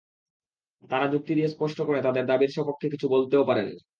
তাঁরা যুক্তি দিয়ে স্পষ্ট করে তাঁদের দাবির সপক্ষে কিছু বলতেও পারেন না।